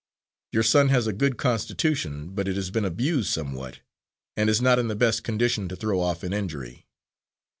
Your son has a good constitution, but it has been abused somewhat and is not in the best condition to throw off an injury."